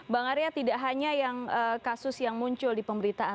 bang arya tidak hanya yang kasus yang muncul di pemberitaan